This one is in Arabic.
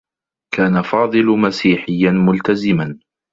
كان فاضل مسيحيّا ملتزما.